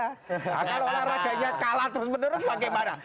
kalau olahraganya kalah terus menerus bagaimana